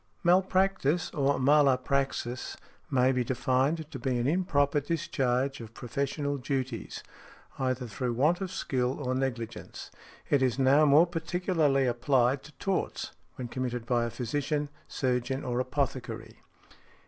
Malpractice, or mala praxis, may be defined to be an improper discharge of professional duties, either through want of skill or negligence. It is now more particularly applied to torts—when committed by a physician, surgeon, or apothecary.